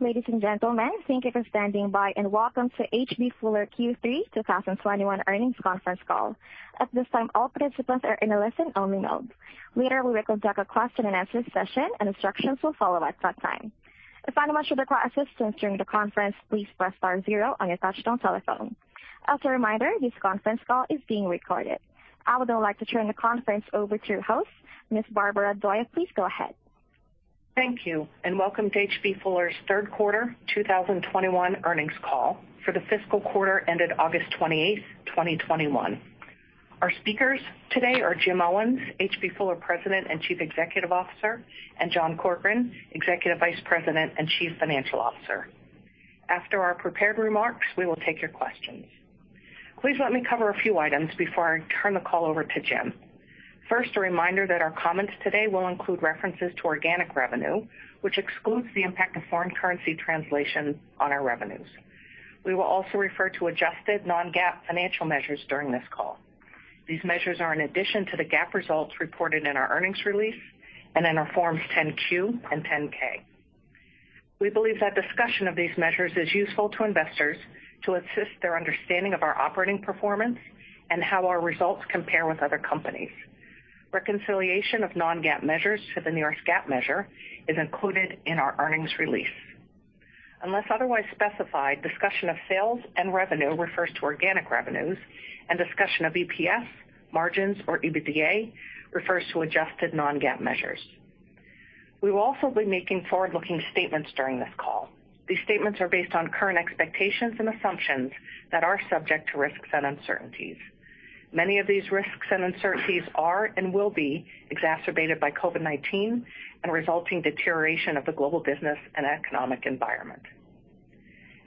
Ladies and gentlemen, thank you for standing by, and welcome to H.B. Fuller Q3 2021 earnings conference call. At this time, all participants are in a listen-only mode. Later we will conduct a question-and-answer session, and instructions will follow at that time. If anyone should require assistance during the conference, please press star zero on your touch-tone telephone. As a reminder, this conference call is being recorded. I would now like to turn the conference over to your host, Ms. Barbara Doyle. Please go ahead. Thank you. Welcome to H.B. Fuller's third quarter 2021 earnings call for the fiscal quarter ended August 28th, 2021. Our speakers today are Jim Owens, H.B. Fuller President and Chief Executive Officer, and John Corkrean, Executive Vice President and Chief Financial Officer. After our prepared remarks, we will take your questions. Please let me cover a few items before I turn the call over to Jim. First, a reminder that our comments today will include references to organic revenue, which excludes the impact of foreign currency translation on our revenues. We will also refer to adjusted non-GAAP financial measures during this call. These measures are in addition to the GAAP results reported in our earnings release and in our Forms 10-Q and 10-K. We believe that discussion of these measures is useful to investors to assist their understanding of our operating performance and how our results compare with other companies. Reconciliation of non-GAAP measures to the nearest GAAP measure is included in our earnings release. Unless otherwise specified, discussion of sales and revenue refers to organic revenues, and discussion of EPS, margins, or EBITDA refers to adjusted non-GAAP measures. We will also be making forward-looking statements during this call. These statements are based on current expectations and assumptions that are subject to risks and uncertainties. Many of these risks and uncertainties are and will be exacerbated by COVID-19 and resulting deterioration of the global business and economic environment.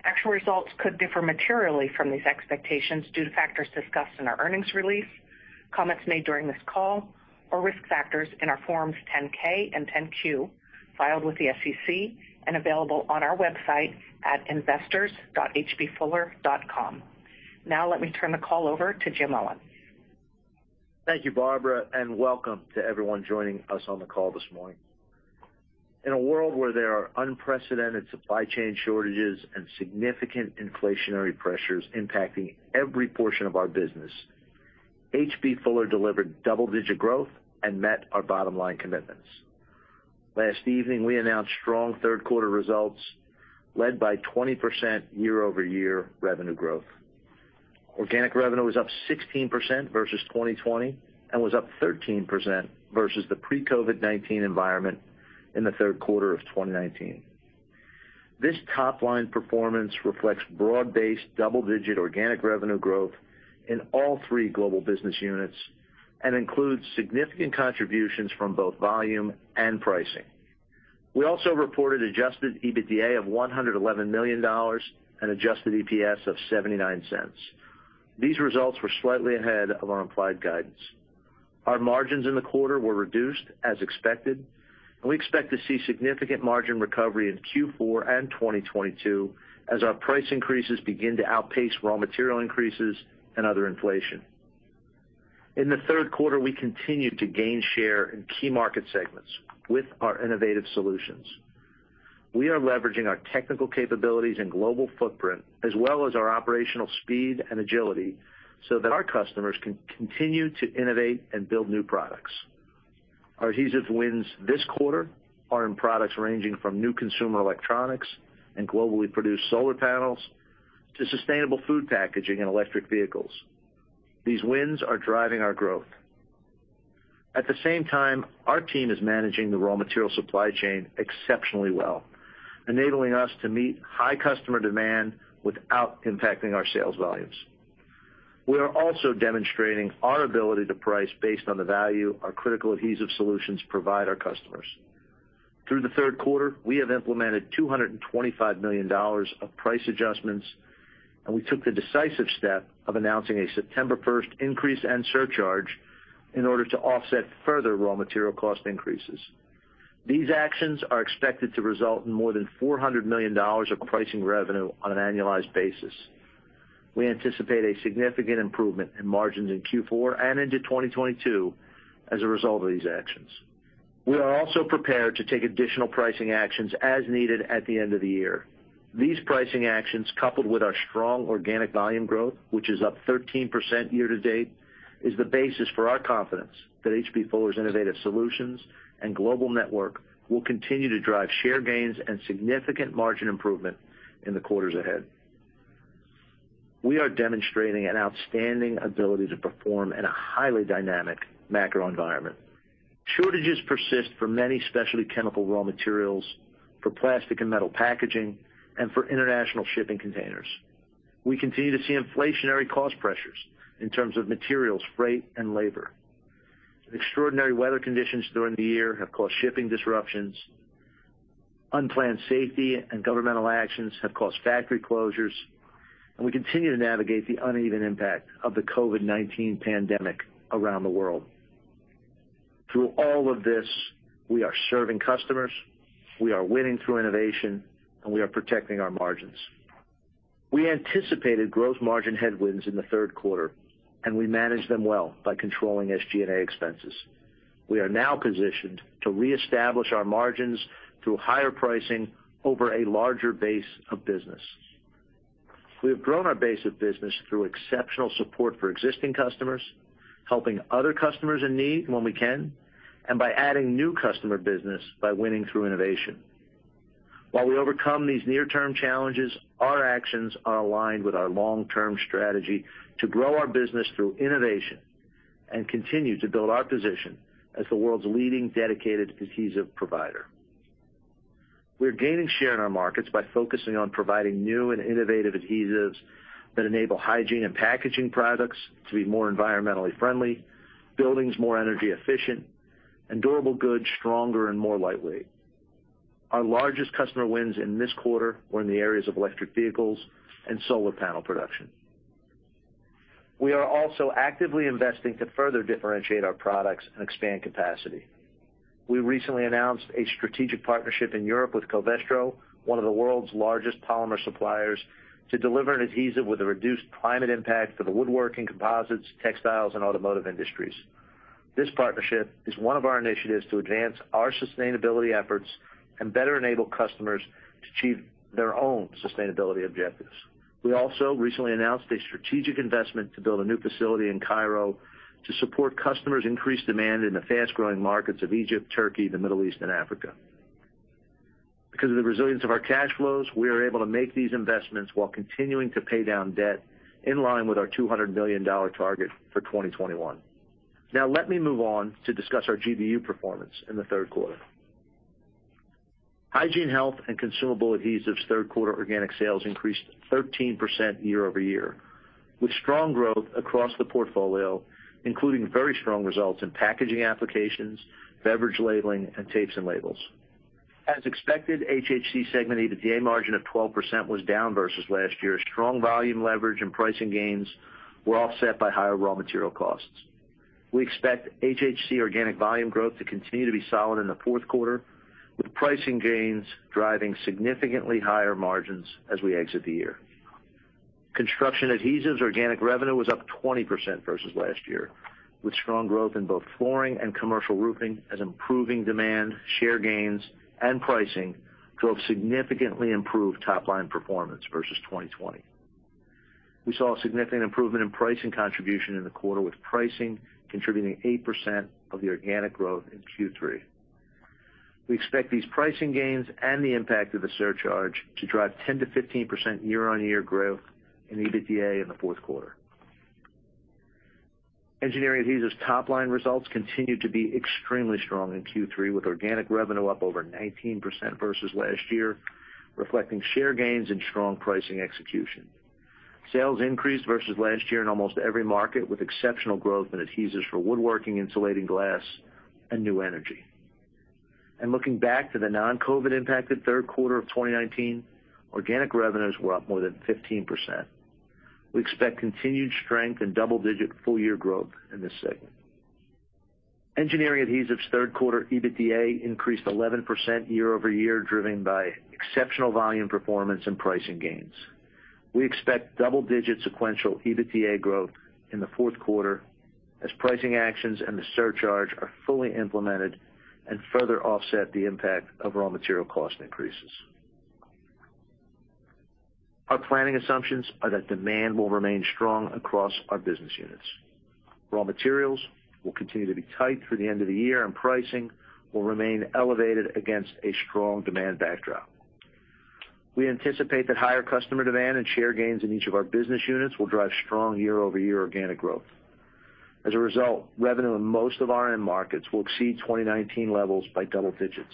Actual results could differ materially from these expectations due to factors discussed in our earnings release, comments made during this call, or risk factors in our Forms 10-K and 10-Q filed with the SEC and available on our website at investors.hbfuller.com. Now let me turn the call over to Jim Owens. Thank you, Barbara, and welcome to everyone joining us on the call this morning. In a world where there are unprecedented supply chain shortages and significant inflationary pressures impacting every portion of our business, H.B. Fuller delivered double-digit growth and met our bottom-line commitments. Last evening, we announced strong third quarter results led by 20% year-over-year revenue growth. Organic revenue was up 16% versus 2020 and was up 13% versus the pre-COVID-19 environment in the third quarter of 2019. This top-line performance reflects broad-based double-digit organic revenue growth in all three global business units and includes significant contributions from both volume and pricing. We also reported adjusted EBITDA of $111 million and adjusted EPS of $0.79. These results were slightly ahead of our implied guidance. Our margins in the quarter were reduced as expected, and we expect to see significant margin recovery in Q4 and 2022 as our price increases begin to outpace raw material increases and other inflation. In the third quarter, we continued to gain share in key market segments with our innovative solutions. We are leveraging our technical capabilities and global footprint, as well as our operational speed and agility, so that our customers can continue to innovate and build new products. Our adhesive wins this quarter are in products ranging from new consumer electronics and globally produced solar panels to sustainable food packaging and electric vehicles. These wins are driving our growth. At the same time, our team is managing the raw material supply chain exceptionally well, enabling us to meet high customer demand without impacting our sales volumes. We are also demonstrating our ability to price based on the value our critical adhesive solutions provide our customers. Through the third quarter, we have implemented $225 million of price adjustments, and we took the decisive step of announcing a September 1st increase and surcharge in order to offset further raw material cost increases. These actions are expected to result in more than $400 million of pricing revenue on an annualized basis. We anticipate a significant improvement in margins in Q4 and into 2022 as a result of these actions. We are also prepared to take additional pricing actions as needed at the end of the year. These pricing actions, coupled with our strong organic volume growth, which is up 13% year-to-date, is the basis for our confidence that H.B. Fuller's innovative solutions and global network will continue to drive share gains and significant margin improvement in the quarters ahead. We are demonstrating an outstanding ability to perform in a highly dynamic macro environment. Shortages persist for many specialty chemical raw materials, for plastic and metal packaging, and for international shipping containers. We continue to see inflationary cost pressures in terms of materials, freight, and labor. Extraordinary weather conditions during the year have caused shipping disruptions. Unplanned safety and governmental actions have caused factory closures. We continue to navigate the uneven impact of the COVID-19 pandemic around the world. Through all of this, we are serving customers, we are winning through innovation, and we are protecting our margins. We anticipated gross margin headwinds in the third quarter, and we managed them well by controlling SG&A expenses. We are now positioned to reestablish our margins through higher pricing over a larger base of business. We have grown our base of business through exceptional support for existing customers, helping other customers in need when we can, and by adding new customer business by winning through innovation. While we overcome these near-term challenges, our actions are aligned with our long-term strategy to grow our business through innovation and continue to build our position as the world's leading dedicated adhesive provider. We're gaining share in our markets by focusing on providing new and innovative adhesives that enable hygiene and packaging products to be more environmentally friendly, buildings more energy efficient, and durable goods stronger and more lightweight. Our largest customer wins in this quarter were in the areas of electric vehicles and solar panel production. We are also actively investing to further differentiate our products and expand capacity. We recently announced a strategic partnership in Europe with Covestro, one of the world's largest polymer suppliers, to deliver an adhesive with a reduced climate impact for the woodworking, composites, textiles, and automotive industries. This partnership is one of our initiatives to advance our sustainability efforts and better enable customers to achieve their own sustainability objectives. We also recently announced a strategic investment to build a new facility in Cairo to support customers' increased demand in the fast-growing markets of Egypt, Turkey, the Middle East, and Africa. Because of the resilience of our cash flows, we are able to make these investments while continuing to pay down debt in line with our $200 million target for 2021. Now, let me move on to discuss our GBU performance in the third quarter. Hygiene, Health, and Consumable Adhesives' third quarter organic sales increased 13% year-over-year, with strong growth across the portfolio, including very strong results in packaging applications, beverage labeling, and tapes and labels. As expected, HHC segment EBITDA margin of 12% was down versus last year. Strong volume leverage and pricing gains were offset by higher raw material costs. We expect HHC organic volume growth to continue to be solid in the fourth quarter, with pricing gains driving significantly higher margins as we exit the year. Construction Adhesives organic revenue was up 20% versus last year, with strong growth in both flooring and commercial roofing as improving demand, share gains, and pricing drove significantly improved top-line performance versus 2020. We saw a significant improvement in pricing contribution in the quarter, with pricing contributing 8% of the organic growth in Q3. We expect these pricing gains and the impact of the surcharge to drive 10%-15% year-on-year growth in EBITDA in the fourth quarter. Engineering Adhesives top-line results continued to be extremely strong in Q3, with organic revenue up over 19% versus last year, reflecting share gains and strong pricing execution. Sales increased versus last year in almost every market, with exceptional growth in adhesives for woodworking, insulating glass, and new energy. Looking back to the non-COVID impacted third quarter of 2019, organic revenues were up more than 15%. We expect continued strength and double-digit full-year growth in this segment. Engineering Adhesives third quarter EBITDA increased 11% year-over-year, driven by exceptional volume performance and pricing gains. We expect double-digit sequential EBITDA growth in the fourth quarter as pricing actions and the surcharge are fully implemented and further offset the impact of raw material cost increases. Our planning assumptions are that demand will remain strong across our business units. Raw materials will continue to be tight through the end of the year, and pricing will remain elevated against a strong demand backdrop. We anticipate that higher customer demand and share gains in each of our business units will drive strong year-over-year organic growth. As a result, revenue in most of our end markets will exceed 2019 levels by double digits.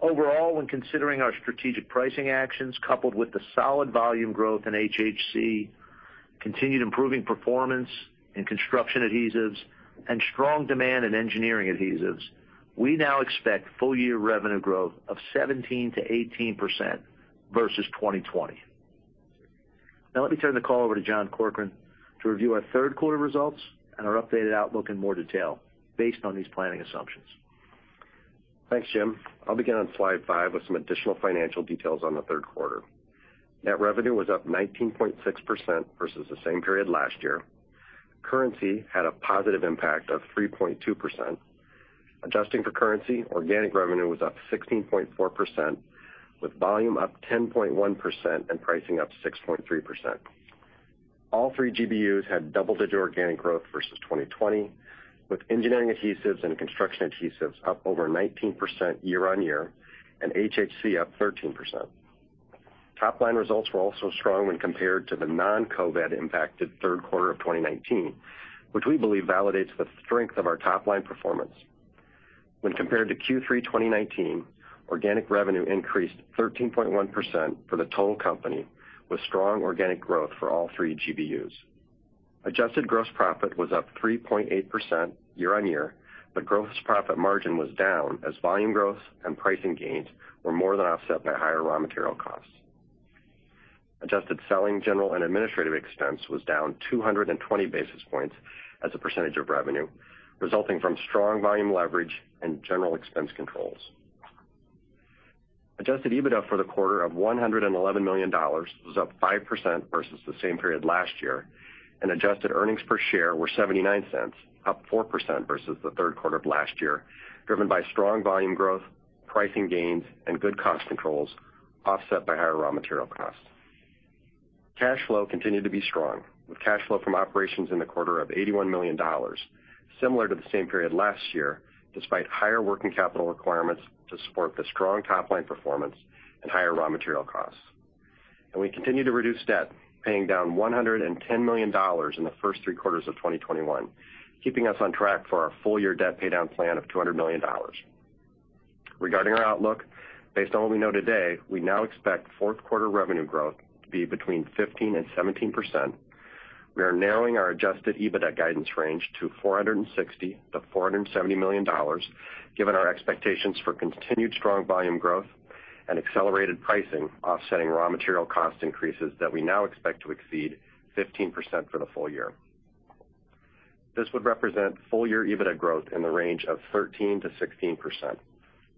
Overall, when considering our strategic pricing actions coupled with the solid volume growth in HHC, continued improving performance in Construction Adhesives, and strong demand in Engineering Adhesives, we now expect full-year revenue growth of 17%-18% versus 2020. Now let me turn the call over to John Corkrean to review our third quarter results and our updated outlook in more detail based on these planning assumptions. Thanks, Jim. I'll begin on slide five with some additional financial details on the third quarter. Net revenue was up 19.6% versus the same period last year. Currency had a positive impact of 3.2%. Adjusting for currency, organic revenue was up 16.4%, with volume up 10.1% and pricing up 6.3%. All three GBUs had double-digit organic growth versus 2020, with Engineering Adhesives and Construction Adhesives up over 19% year-over-year and HHC up 13%. Top-line results were also strong when compared to the non-COVID-19 impacted third quarter of 2019, which we believe validates the strength of our top-line performance. When compared to Q3 2019, organic revenue increased 13.1% for the total company, with strong organic growth for all three GBUs. Adjusted gross profit was up 3.8% year-on-year, but gross profit margin was down as volume growth and pricing gains were more than offset by higher raw material costs. Adjusted selling general and administrative expense was down 220 basis points as a percentage of revenue, resulting from strong volume leverage and general expense controls. Adjusted EBITDA for the quarter of $111 million was up 5% versus the same period last year. Adjusted earnings per share were $0.79, up 4% versus the third quarter of last year, driven by strong volume growth, pricing gains, and good cost controls, offset by higher raw material costs. Cash flow continued to be strong, with cash flow from operations in the quarter of $81 million, similar to the same period last year, despite higher working capital requirements to support the strong top-line performance and higher raw material costs. We continue to reduce debt, paying down $110 million in the first three quarters of 2021, keeping us on track for our full-year debt paydown plan of $200 million. Regarding our outlook, based on what we know today, we now expect fourth quarter revenue growth to be between 15% and 17%. We are narrowing our adjusted EBITDA guidance range to $460 million-$470 million, given our expectations for continued strong volume growth and accelerated pricing offsetting raw material cost increases that we now expect to exceed 15% for the full year. This would represent full-year EBITDA growth in the range of 13%-16%.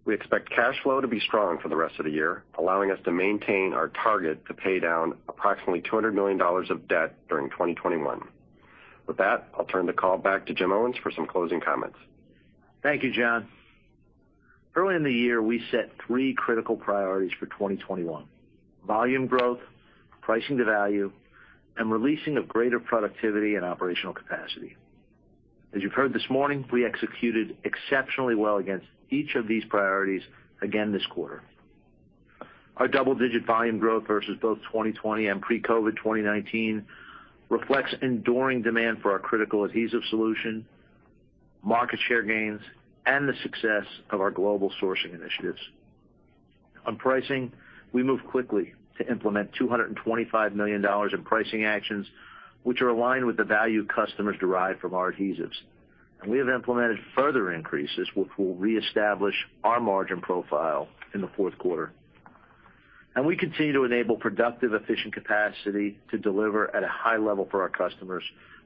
We expect cash flow to be strong for the rest of the year, allowing us to maintain our target to pay down approximately $200 million of debt during 2021. With that, I'll turn the call back to Jim Owens for some closing comments. Thank you, John. Early in the year, we set three critical priorities for 2021, volume growth, pricing to value, and releasing of greater productivity and operational capacity. As you've heard this morning, we executed exceptionally well against each of these priorities again this quarter. Our double-digit volume growth versus both 2020 and pre-COVID 2019 reflects enduring demand for our critical adhesive solution, market share gains, and the success of our global sourcing initiatives. On pricing, we moved quickly to implement $225 million in pricing actions, which are aligned with the value customers derive from our adhesives. We have implemented further increases, which will reestablish our margin profile in the fourth quarter. We continue to enable productive, efficient capacity to deliver at a high level for our customers,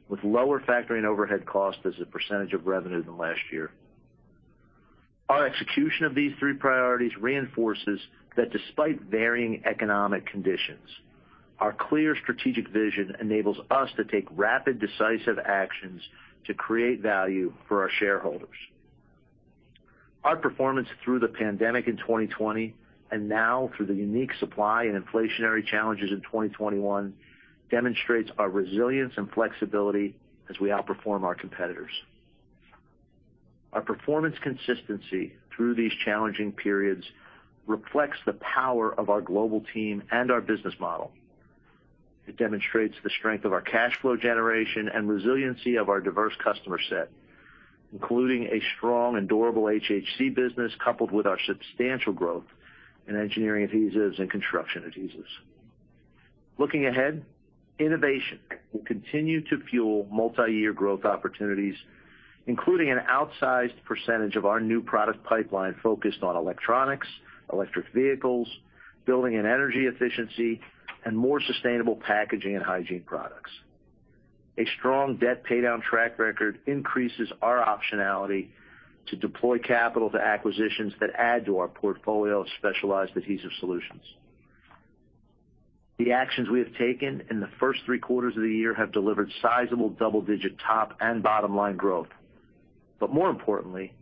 with lower factory and overhead costs as a percentage of revenue than last year. Our execution of these three priorities reinforces that despite varying economic conditions, our clear strategic vision enables us to take rapid, decisive actions to create value for our shareholders. Our performance through the pandemic in 2020 and now through the unique supply and inflationary challenges in 2021 demonstrates our resilience and flexibility as we outperform our competitors. Our performance consistency through these challenging periods reflects the power of our global team and our business model. It demonstrates the strength of our cash flow generation and resiliency of our diverse customer set, including a strong and durable HHC business, coupled with our substantial growth in Engineering Adhesives and Construction Adhesives. Looking ahead, innovation will continue to fuel multi-year growth opportunities, including an outsized percentage of our new product pipeline focused on electronics, electric vehicles, building and energy efficiency, and more sustainable packaging and hygiene products. A strong debt paydown track record increases our optionality to deploy capital to acquisitions that add to our portfolio of specialized adhesive solutions. The actions we have taken in the first three quarters of the year have delivered sizable double-digit top and bottom-line growth. More importantly,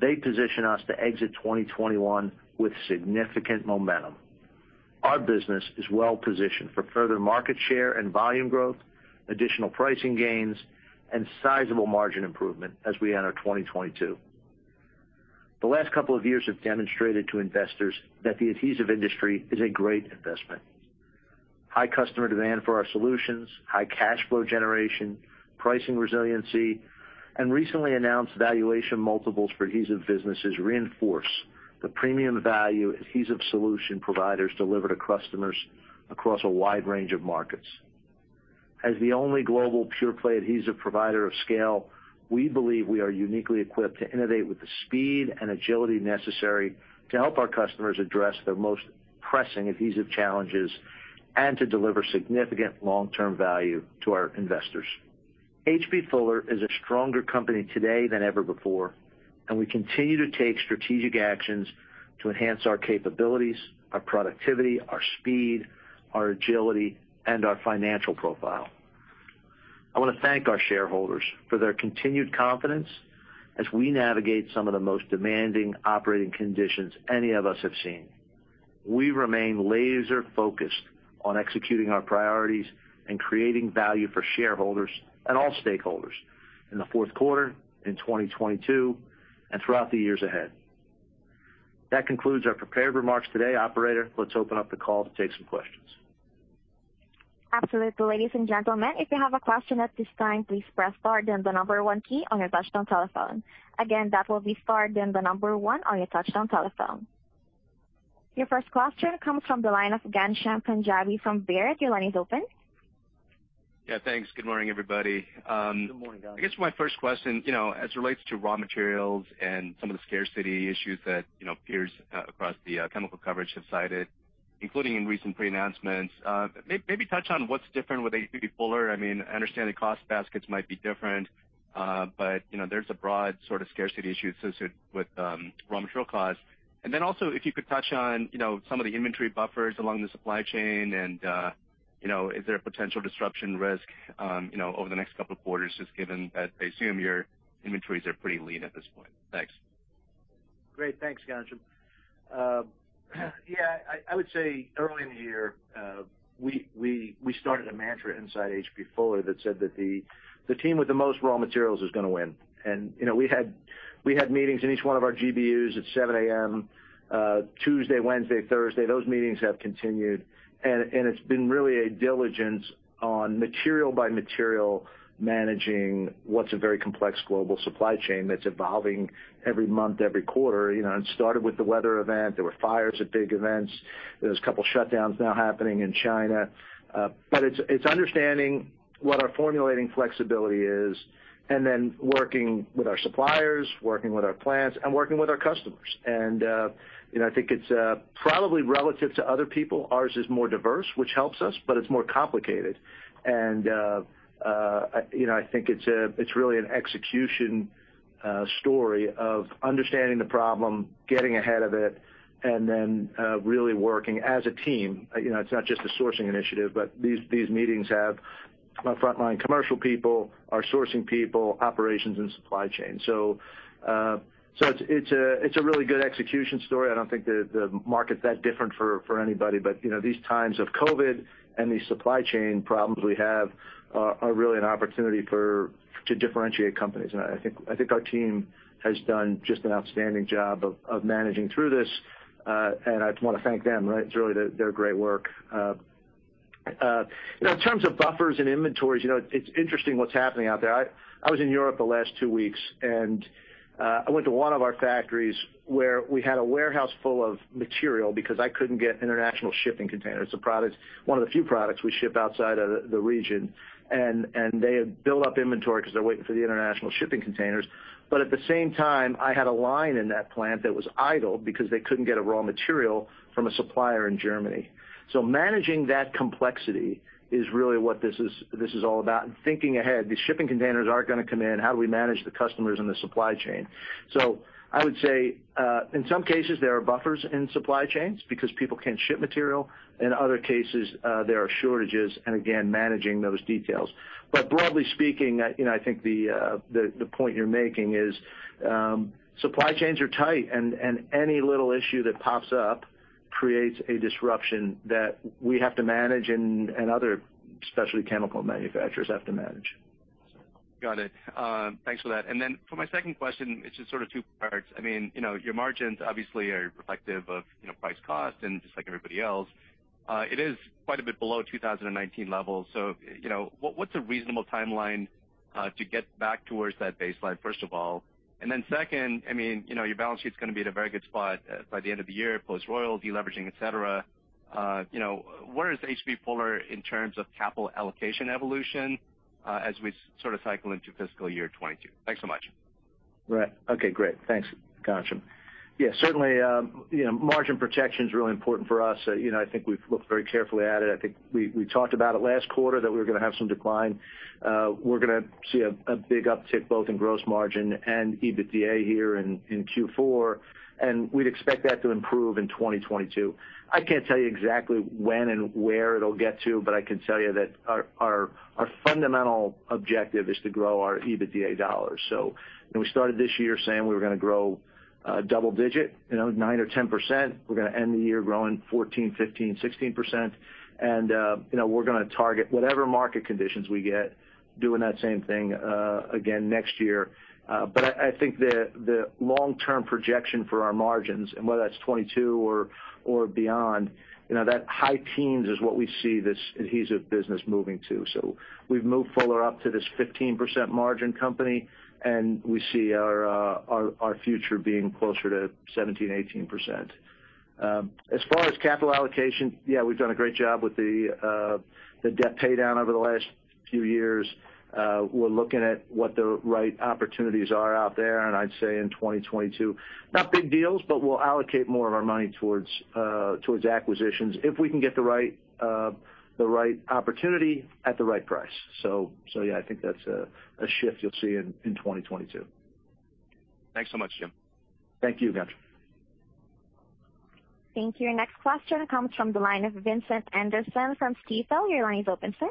they position us to exit 2021 with significant momentum. Our business is well positioned for further market share and volume growth, additional pricing gains, and sizable margin improvement as we enter 2022. The last couple of years have demonstrated to investors that the adhesive industry is a great investment. High customer demand for our solutions, high cash flow generation, pricing resiliency, and recently announced valuation multiples for adhesive businesses reinforce the premium value adhesive solution providers deliver to customers across a wide range of markets. As the only global pure-play adhesive provider of scale, we believe we are uniquely equipped to innovate with the speed and agility necessary to help our customers address their most pressing adhesive challenges and to deliver significant long-term value to our investors. H.B. Fuller is a stronger company today than ever before, and we continue to take strategic actions to enhance our capabilities, our productivity, our speed, our agility, and our financial profile. I want to thank our shareholders for their continued confidence as we navigate some of the most demanding operating conditions any of us have seen. We remain laser focused on executing our priorities and creating value for shareholders and all stakeholders in the fourth quarter, in 2022, and throughout the years ahead. That concludes our prepared remarks today. Operator, let's open up the call to take some questions. Absolutely. Ladies and gentlemen, if you have a question at this time, please press star, then the number one key on your touchtone telephone. Again, that will be star, then the number one on your touchtone telephone. Your first question comes from the line of Ghansham Panjabi from Baird. Your line is open. Yeah, thanks. Good morning, everybody. Good morning, Ghansham. I guess my first question, as it relates to raw materials and some of the scarcity issues that peers across the chemical coverage have cited, including in recent pre-announcements. Maybe touch on what's different with H.B. Fuller. I understand the cost baskets might be different. There's a broad sort of scarcity issue associated with raw material costs. Also, if you could touch on some of the inventory buffers along the supply chain and is there a potential disruption risk over the next couple of quarters, just given that I assume your inventories are pretty lean at this point. Thanks. Great. Thanks, Ghansham. Yeah, I would say early in the year, we started a mantra inside H.B. Fuller that said that the team with the most raw materials is going to win. We had meetings in each one of our GBUs at 7:00 A.M., Tuesday, Wednesday, Thursday. Those meetings have continued, and it's been really a diligence on material by material, managing what's a very complex global supply chain that's evolving every month, every quarter. It started with the weather event. There were fires at big events. There's a couple shutdowns now happening in China. It's understanding what our formulating flexibility is and then working with our suppliers, working with our plants, and working with our customers. I think it's probably relative to other people, ours is more diverse, which helps us, but it's more complicated. I think it's really an execution story of understanding the problem, getting ahead of it, and then really working as a team. It's not just a sourcing initiative, but these meetings have our frontline commercial people, our sourcing people, operations, and supply chain. It's a really good execution story. I don't think the market's that different for anybody, but these times of COVID-19 and these supply chain problems we have are really an opportunity to differentiate companies. I think our team has done just an outstanding job of managing through this. I just want to thank them. It's really their great work. In terms of buffers and inventories, it's interesting what's happening out there. I was in Europe the last two weeks, and I went to one of our factories where we had a warehouse full of material because I couldn't get international shipping containers. It's one of the few products we ship outside of the region, and they had built up inventory because they're waiting for the international shipping containers. At the same time, I had a line in that plant that was idle because they couldn't get a raw material from a supplier in Germany. Managing that complexity is really what this is all about, and thinking ahead. These shipping containers aren't going to come in. How do we manage the customers and the supply chain? I would say, in some cases, there are buffers in supply chains because people can't ship material. In other cases, there are shortages, and again, managing those details. Broadly speaking, I think the point you're making is supply chains are tight, and any little issue that pops up creates a disruption that we have to manage and other specialty chemical manufacturers have to manage. Got it. Thanks for that. For my second question, it's just sort of two parts. Your margins obviously are reflective of price cost and just like everybody else. It is quite a bit below 2019 levels. What's a reasonable timeline to get back towards that baseline, first of all? Second, your balance sheet's going to be at a very good spot by the end of the year, post-Royal, deleveraging, etc. Where is H.B. Fuller in terms of capital allocation evolution as we sort of cycle into fiscal year 2022? Thanks so much. Right. Okay, great. Thanks, Ghansham. Certainly, margin protection's really important for us. I think we've looked very carefully at it. I think we talked about it last quarter that we were going to have some decline. We're going to see a big uptick both in gross margin and EBITDA here in Q4, and we'd expect that to improve in 2022. I can't tell you exactly when and where it'll get to, but I can tell you that our fundamental objective is to grow our EBITDA dollars. We started this year saying we were going to grow double digit, 9% or 10%. We're going to end the year growing 14%, 15%, 16%, and we're going to target whatever market conditions we get, doing that same thing again next year. I think the long-term projection for our margins, and whether that's 2022 or beyond, that high teens is what we see this adhesive business moving to. We've moved Fuller up to this 15% margin company, and we see our future being closer to 17%, 18%. As far as capital allocation, yeah, we've done a great job with the debt paydown over the last few years. We're looking at what the right opportunities are out there, and I'd say in 2022, not big deals, but we'll allocate more of our money towards acquisitions if we can get the right opportunity at the right price. Yeah, I think that's a shift you'll see in 2022. Thanks so much, Jim. Thank you, Ghansham. Thank you. Next question comes from the line of Vincent Anderson from Stifel. Your line is open, sir.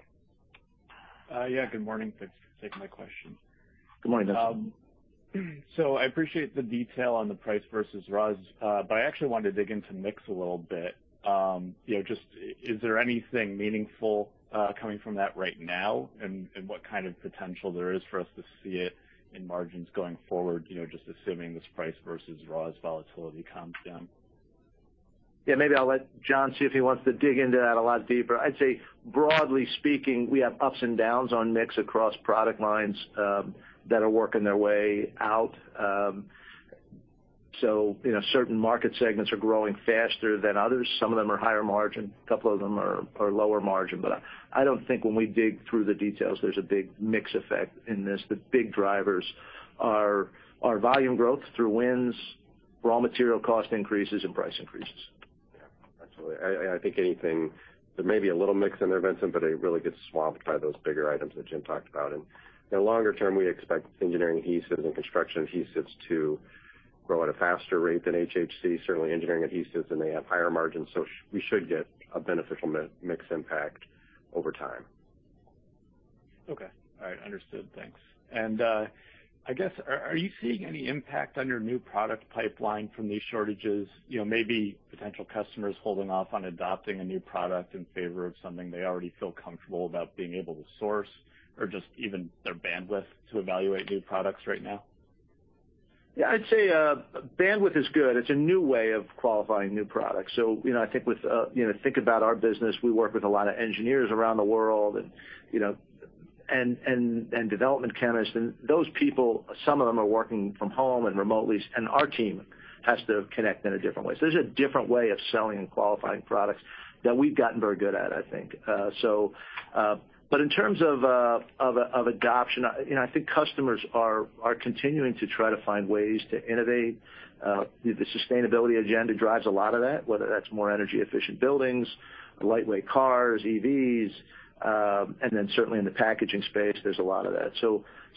Yeah, good morning. Thanks for taking my question. Good morning, Vincent. I appreciate the detail on the price versus raws, but I actually wanted to dig into mix a little bit. Just is there anything meaningful coming from that right now and what kind of potential there is for us to see it in margins going forward, just assuming this price versus raws volatility calms down? Maybe I'll let John see if he wants to dig into that a lot deeper. I'd say broadly speaking, we have ups and downs on mix across product lines that are working their way out. Certain market segments are growing faster than others. Some of them are higher margin, a couple of them are lower margin. I don't think when we dig through the details, there's a big mix effect in this. The big drivers are volume growth through wins, raw material cost increases, and price increases. Yeah, absolutely. I think there may be a little mix in there, Vincent, but it really gets swamped by those bigger items that Jim talked about. In the longer term, we expect Engineering Adhesives and Construction Adhesives to grow at a faster rate than HHC, certainly Engineering Adhesives, and they have higher margins, so we should get a beneficial mix impact over time. Okay. All right. Understood. Thanks. I guess, are you seeing any impact on your new product pipeline from these shortages? Maybe potential customers holding off on adopting a new product in favor of something they already feel comfortable about being able to source, or just even their bandwidth to evaluate new products right now? Yeah, I'd say, bandwidth is good. It's a new way of qualifying new products. I think about our business, we work with a lot of engineers around the world, and development chemists. Those people, some of them are working from home and remotely, and our team has to connect in a different way. There's a different way of selling and qualifying products that we've gotten very good at, I think. In terms of adoption, I think customers are continuing to try to find ways to innovate. The sustainability agenda drives a lot of that, whether that's more energy efficient buildings, lightweight cars, EVs. Certainly in the packaging space, there's a lot of that.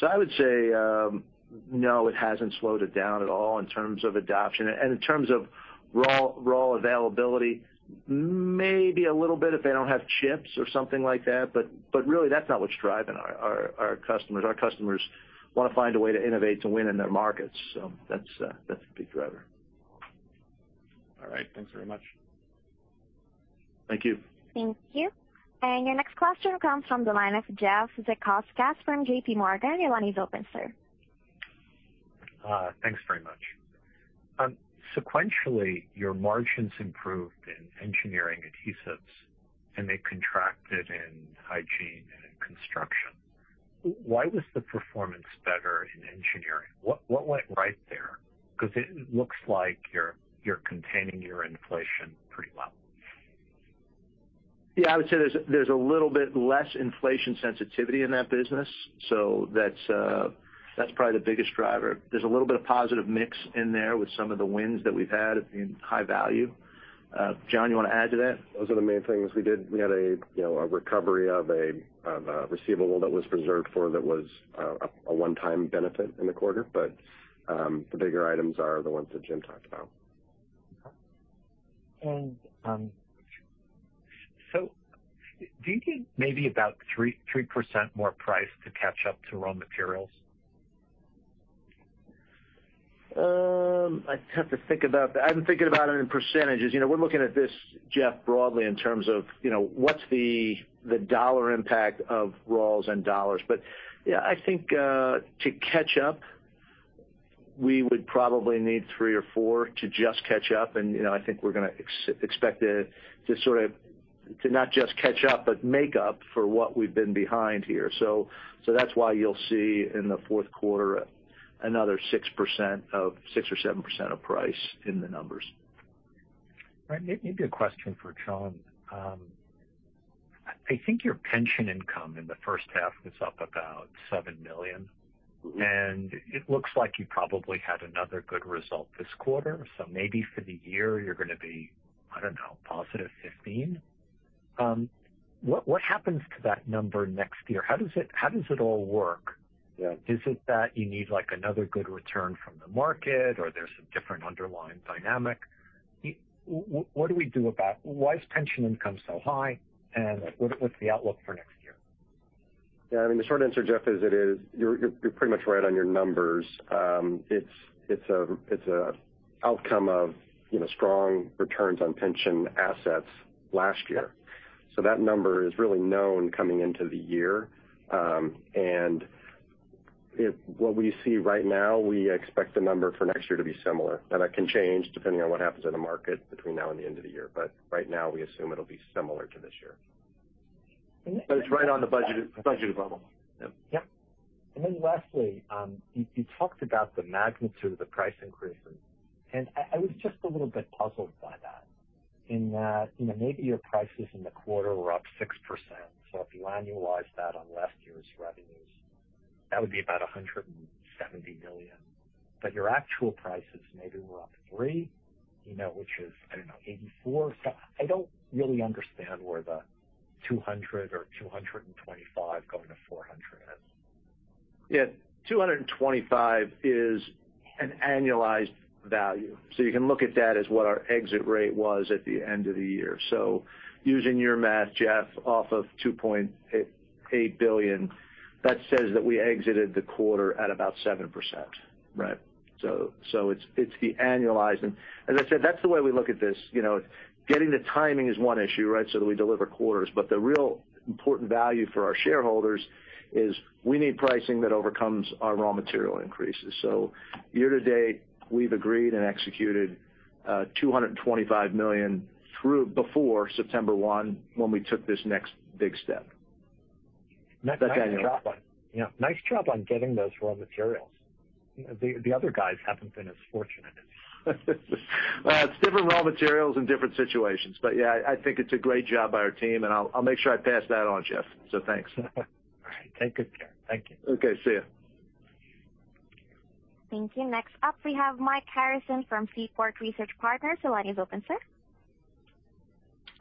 I would say, no, it hasn't slowed it down at all in terms of adoption. In terms of raw availability, maybe a little bit if they don't have chips or something like that. Really, that's not what's driving our customers. Our customers want to find a way to innovate, to win in their markets. That's the big driver. All right. Thanks very much. Thank you. Thank you. Your next question comes from the line of Jeffrey Zekauskas from JPMorgan. Your line is open, sir. Thanks very much. Sequentially, your margins improved in Engineering Adhesives, and they contracted in Hygiene and in Construction. Why was the performance better in Engineering? What went right there? Because it looks like you're containing your inflation pretty well. I would say there's a little bit less inflation sensitivity in that business. That's probably the biggest driver. There's a little bit of positive mix in there with some of the wins that we've had in high value. John, you want to add to that? Those are the main things we did. We had a recovery of a receivable that was reserved for, that was a one-time benefit in the quarter. The bigger items are the ones that Jim talked about. Do you need maybe about 3% more price to catch up to raw materials? I'd have to think about that. I haven't thinking about it in percentages. We're looking at this, Jeff, broadly in terms of what's the dollar impact of raws and dollars. Yeah, I think, to catch up, we would probably need 3% or 4% to just catch up. I think we're going to expect to not just catch up, but make up for what we've been behind here. That's why you'll see in the fourth quarter another 6% or 7% of price in the numbers. Maybe a question for John. I think your pension income in the first half was up about $7 million, it looks like you probably had another good result this quarter. Maybe for the year you're gonna be, I don't know, +$15 million. What happens to that number next year? How does it all work? Yeah. Is it that you need another good return from the market, or there's some different underlying dynamic? Why is pension income so high, and what's the outlook for next year? Yeah, the short answer, Jeff, is you're pretty much right on your numbers. It's a outcome of strong returns on pension assets last year. That number is really known coming into the year. What we see right now, we expect the number for next year to be similar. That can change depending on what happens in the market between now and the end of the year. Right now, we assume it'll be similar to this year. It's right on the budget level. Yep. Yeah. Lastly, you talked about the magnitude of the price increases. I was just a little bit puzzled by that in that maybe your prices in the quarter were up 6%, so if you annualize that on last year's revenues, that would be about $170 million. Your actual prices maybe were up 3%, which is, I don't know, $84 million. I don't really understand where the $200 million or $225 million going to $400 million is. Yeah, $225 is an annualized value. You can look at that as what our exit rate was at the end of the year. Using your math, Jeff off of $2.8 billion, that says that we exited the quarter at about 7%. Right. It's the annualized, and as I said, that's the way we look at this. Getting the timing is one issue, right? That we deliver quarters, but the real important value for our shareholders is we need pricing that overcomes our raw material increases. Year to date, we've agreed and executed $225 million through before September 1, when we took this next big step. Nice job on getting those raw materials. The other guys haven't been as fortunate. It's different raw materials and different situations. Yeah, I think it's a great job by our team, and I'll make sure I pass that on, Jeff. Thanks. All right. Take good care. Thank you. Okay. See you. Thank you. Next up we have Mike Harrison from Seaport Research Partners. Your line is open, sir.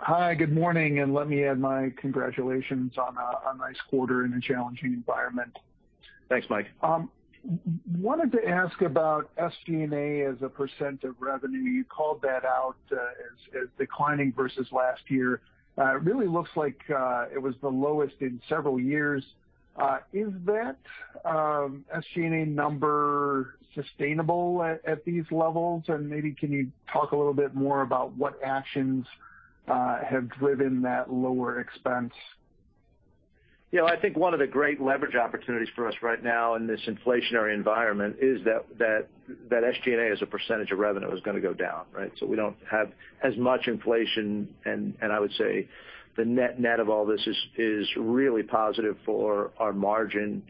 Hi, good morning. Let me add my congratulations on a nice quarter in a challenging environment. Thanks, Mike. Wanted to ask about SG&A as a percent of revenue. You called that out as declining versus last year. Really looks like it was the lowest in several years. Is that SG&A number sustainable at these levels? Maybe can you talk a little bit more about what actions have driven that lower expense? I think one of the great leverage opportunities for us right now in this inflationary environment is that SG&A as a percentage of revenue is going to go down. We don't have as much inflation, and I would say the net of all this is really positive for our margin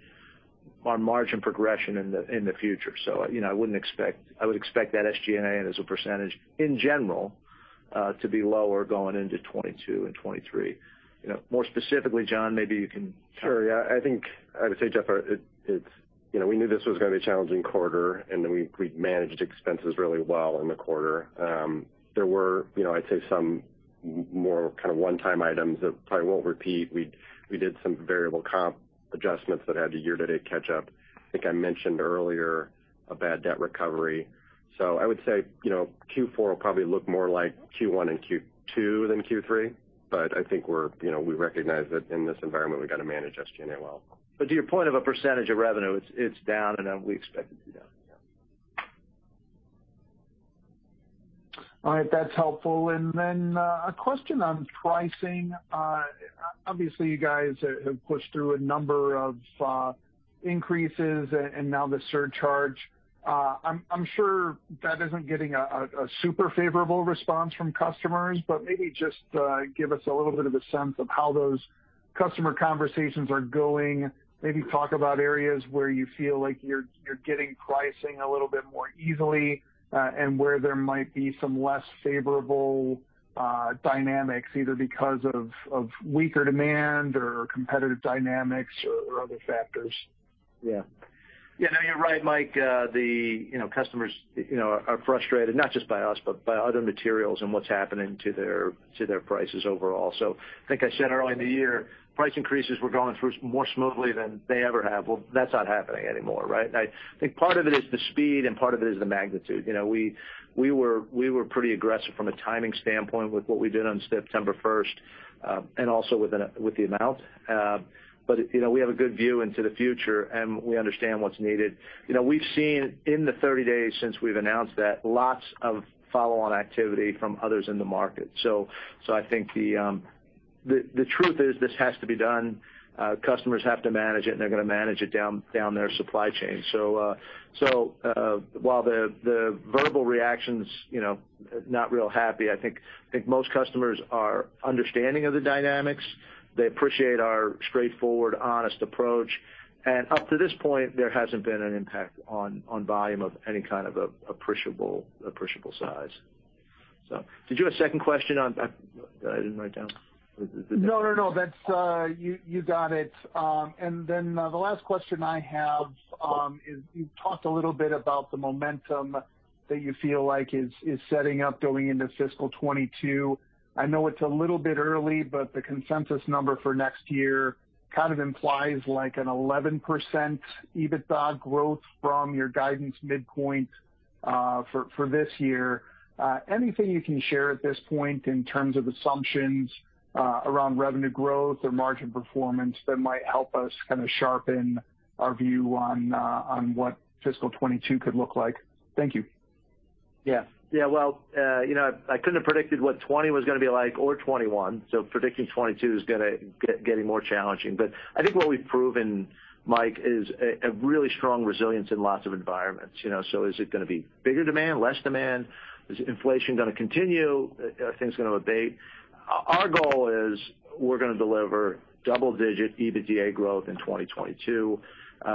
progression in the future. I would expect that SG&A as a percentage, in general, to be lower going into 2022 and 2023. More specifically, John, maybe you can Sure. Yeah. I think I would say, Jeff, we knew this was going to be a challenging quarter, and then we managed expenses really well in the quarter. There were I'd say some more kind of one-time items that probably won't repeat. We did some variable comp adjustments that had to year-to-date catch up. I think I mentioned earlier a bad debt recovery. I would say Q4 will probably look more like Q1 and Q2 than Q3, but I think we recognize that in this environment, we've got to manage SG&A well. To your point of a percentage of revenue, it's down and we expect it to be down. Yeah. All right. That's helpful. A question on pricing. Obviously, you guys have pushed through a number of increases and now the surcharge. I'm sure that isn't getting a super favorable response from customers, but maybe just give us a little bit of a sense of how those customer conversations are going. Maybe talk about areas where you feel like you're getting pricing a little bit more easily, and where there might be some less favorable dynamics, either because of weaker demand or competitive dynamics or other factors. Yeah. No, you're right, Mike. The customers are frustrated, not just by us, but by other materials and what's happening to their prices overall. I think I said earlier in the year, price increases were going through more smoothly than they ever have. That's not happening anymore. I think part of it is the speed, and part of it is the magnitude. We were pretty aggressive from a timing standpoint with what we did on September 1st, and also with the amount. We have a good view into the future, and we understand what's needed. We've seen in the 30 days since we've announced that, lots of follow-on activity from others in the market. I think the truth is this has to be done. Customers have to manage it, and they're going to manage it down their supply chain. While the verbal reaction's not real happy, I think most customers are understanding of the dynamics. They appreciate our straightforward, honest approach, and up to this point, there hasn't been an impact on volume of any kind of appreciable size. Did you have a second question that I didn't write down? No, you got it. The last question I have is, you talked a little bit about the momentum that you feel like is setting up going into fiscal 2022. I know it's a little bit early, but the consensus number for next year kind of implies like an 11% EBITDA growth from your guidance midpoint for this year. Anything you can share at this point in terms of assumptions around revenue growth or margin performance that might help us kind of sharpen our view on what fiscal 2022 could look like? Thank you. I couldn't have predicted what 2020 was going to be like or 2021, predicting 2022 is getting more challenging. I think what we've proven, Mike, is a really strong resilience in lots of environments. Is it going to be bigger demand, less demand? Is inflation going to continue? Are things going to abate? Our goal is we're going to deliver double-digit EBITDA growth in 2022.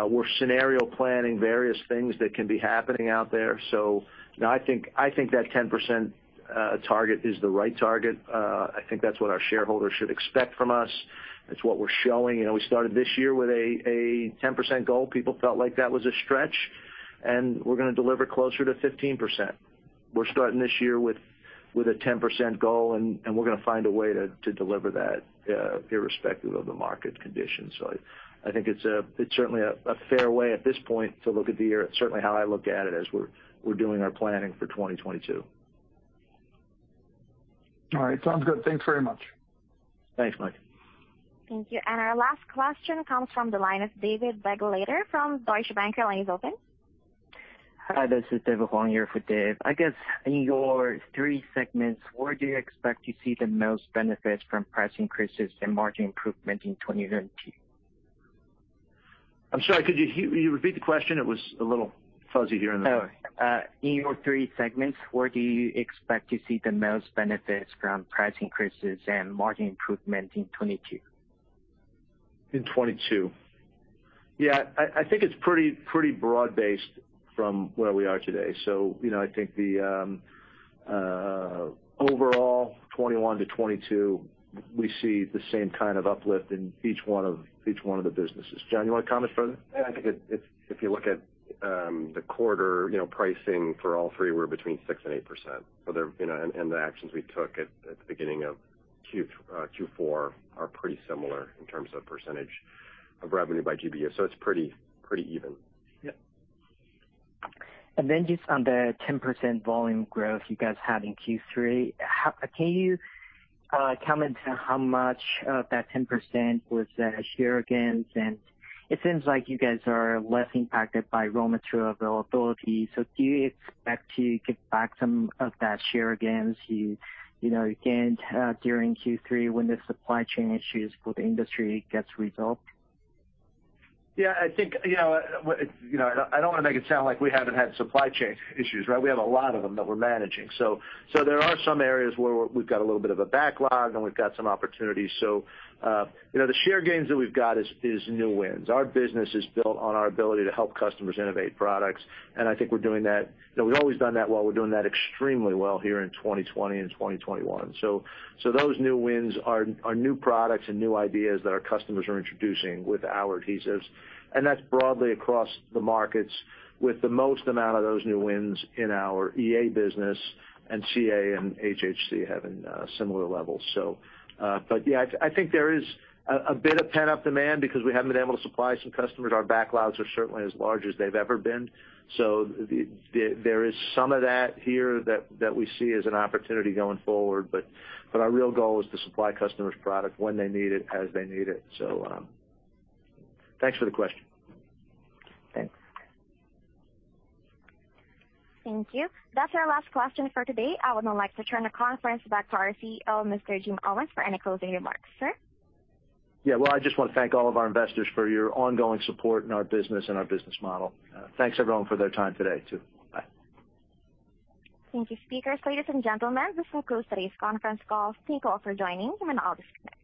We're scenario planning various things that can be happening out there. No, I think that 10% target is the right target. I think that's what our shareholders should expect from us. It's what we're showing. We started this year with a 10% goal. People felt like that was a stretch, we're going to deliver closer to 15%. We're starting this year with a 10% goal, and we're going to find a way to deliver that irrespective of the market conditions. I think it's certainly a fair way at this point to look at the year. It's certainly how I look at it as we're doing our planning for 2022. All right. Sounds good. Thanks very much. Thanks, Mike. Thank you. Our last question comes from the line of David Begleiter from Deutsche Bank. Your line is open. Hi, this is David Huang here for Dave. I guess in your three segments, where do you expect to see the most benefits from price increases and margin improvement in 2022? I'm sorry, could you repeat the question? It was a little fuzzy here in the... In your three segments, where do you expect to see the most benefits from price increases and margin improvement in 2022? In 2022. Yeah, I think it's pretty broad-based from where we are today. I think the overall 2021-2022, we see the same kind of uplift in each one of the businesses. John, you want to comment further? Yeah, I think if you look at the quarter, pricing for all three were between 6% and 8%. The actions we took at the beginning of Q4 are pretty similar in terms of percentage of revenue by GBU. It's pretty even. Yep. Just on the 10% volume growth you guys had in Q3, can you comment how much of that 10% was share gains? It seems like you guys are less impacted by raw material availability. Do you expect to get back some of that share gains you gained during Q3 when the supply chain issues for the industry gets resolved? Yeah, I don't want to make it sound like we haven't had supply chain issues, right? We have a lot of them that we're managing. There are some areas where we've got a little bit of a backlog, and we've got some opportunities. The share gains that we've got is new wins. Our business is built on our ability to help customers innovate products, and I think we're doing that. We've always done that well. We're doing that extremely well here in 2020 and 2021. Those new wins are new products and new ideas that our customers are introducing with our adhesives, and that's broadly across the markets with the most amount of those new wins in our EA business, and CA and HHC having similar levels. Yeah, I think there is a bit of pent-up demand because we haven't been able to supply some customers. Our backlogs are certainly as large as they've ever been. There is some of that here that we see as an opportunity going forward. Our real goal is to supply customers product when they need it, as they need it. Thanks for the question. Thanks. Thank you. That's our last question for today. I would now like to turn the conference back to our CEO, Mr. Jim Owens, for any closing remarks. Sir? Yeah. Well, I just want to thank all of our investors for your ongoing support in our business and our business model. Thanks everyone for their time today, too. Bye. Thank you, speakers. Ladies and gentlemen, this will close today's conference call. Thank you all for joining. You may all disconnect.